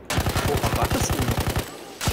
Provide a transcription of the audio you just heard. Worauf wartest du noch?